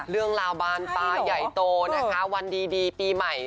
เรื่องราวบานตาใหญ่โตนะคะวันดีปีใหม่